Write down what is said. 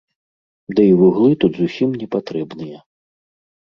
Ды і вуглы тут зусім не патрэбныя.